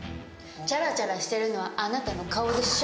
チャラチャラしてるのはあなたの顔でしょ！